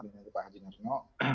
dengan pak haji narno